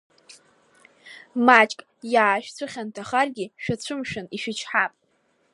Маҷк иаашәцәыхьанҭахаргьы, шәацәымшәан, ишәычҳап…